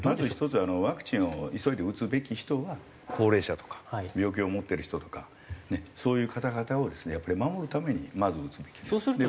まず１つはワクチンを急いで打つべき人は高齢者とか病気を持ってる人とかそういう方々をですね守るためにまず打つべきです。